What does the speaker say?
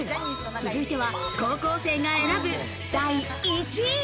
続いては高校生が選ぶ第１位。